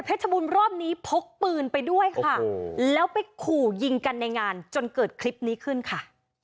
บูรณ์รอบนี้พกปืนไปด้วยค่ะแล้วไปขู่ยิงกันในงานจนเกิดคลิปนี้ขึ้นค่ะ